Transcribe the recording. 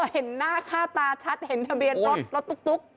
เห็นหน้าค่าตาชัดเห็นทะเบียนรถรถตุ๊ก